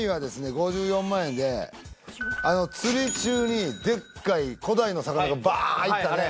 ５４万円で釣り中にでっかい古代の魚がバーッいったね